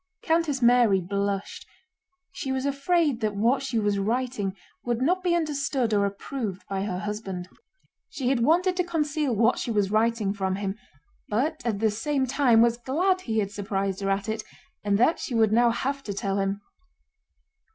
Countess Mary blushed. She was afraid that what she was writing would not be understood or approved by her husband. She had wanted to conceal what she was writing from him, but at the same time was glad he had surprised her at it and that she would now have to tell him.